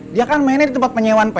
dia kan mainnya di tempat penyewaan